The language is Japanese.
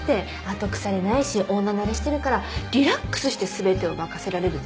後腐れないし女慣れしてるからリラックスして全てを任せられるでしょ。